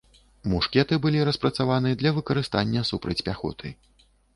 Мушкеты былі распрацаваны для выкарыстання супраць пяхоты.